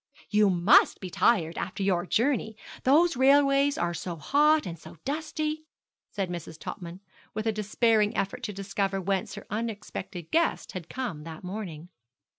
'You must be tired after your journey. Those railways are so hot and so dusty,' said Mrs. Topman, with a despairing effort to discover whence her unexpected guest had come that morning.